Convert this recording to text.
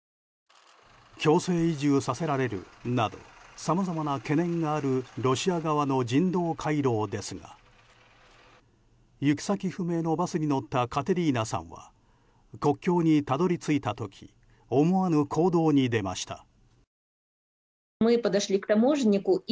強制移住させられるなどさまざまな懸念があるロシア軍の人道回廊ですが行き先不明のバスに乗ったカテリーナさんは国境にたどり着いた時思わぬ行動に出ました。